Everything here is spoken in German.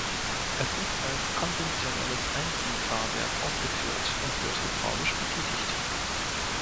Es ist als konventionelles Einziehfahrwerk ausgeführt und wird hydraulisch betätigt.